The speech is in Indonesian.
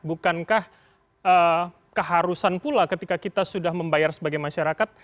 bukankah keharusan pula ketika kita sudah membayar sebagai masyarakat